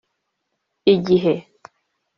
Igihe